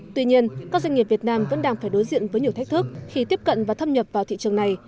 tuy nhiên các doanh nghiệp việt nam vẫn đang phải đối diện với nhiều thách thức khi tiếp cận và thâm nhập vào thị trường này